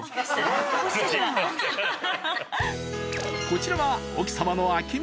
［こちらは］